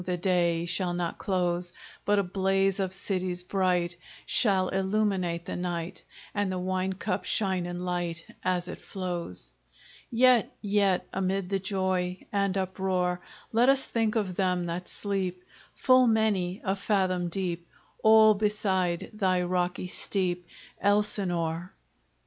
the day Shall not close, But a blaze of cities bright Shall illuminate the night, And the wine cup shine in light As it flows! Yet yet amid the joy And uproar, Let us think of them that sleep Full many a fathom deep All beside thy rocky steep, Elsinore!